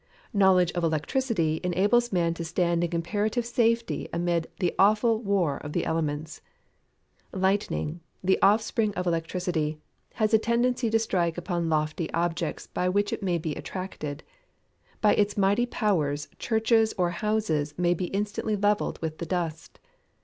Knowledge of Electricity enables man to stand in comparative safety amid the awful war of the elements. Lightning, the offspring of electricity, has a tendency to strike upon lofty objects by which it may be attracted. By its mighty powers churches or houses may be instantly levelled with the dust.